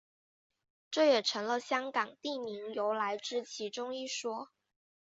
这也成了香港地名由来之其中一说。